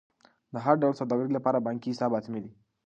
د هر ډول سوداګرۍ لپاره بانکي حساب حتمي دی.